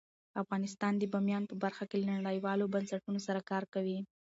افغانستان د بامیان په برخه کې له نړیوالو بنسټونو سره کار کوي.